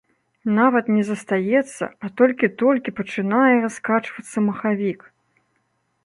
Нават не застаецца, а толькі-толькі пачынае раскачвацца махавік!